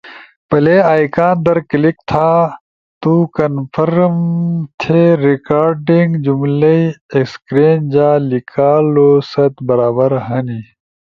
، پلے ائیکان در کلک تھا۔ تو کنفرم تھی ریکارڈنگ جملئی اسکرین جا لیکالو ست برابر ہنی۔